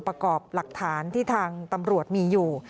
ประกอบหลักฐานที่ทางตำรวจมีอยู่